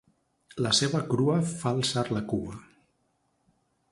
La ceba crua fa alçar la cua.